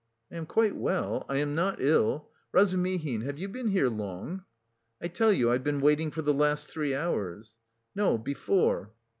"I am quite well, I am not ill. Razumihin, have you been here long?" "I tell you I've been waiting for the last three hours." "No, before."